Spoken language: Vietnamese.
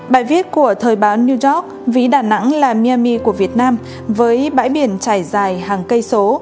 bài viết của thời báo new york ví đà nẵng là myanmi của việt nam với bãi biển trải dài hàng cây số